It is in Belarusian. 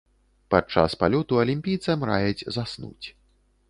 Падчас палёту алімпійцам раяць заснуць.